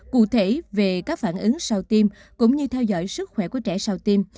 cụ thể về các phản ứng sau tiêm cũng như theo dõi sức khỏe của trẻ sau tim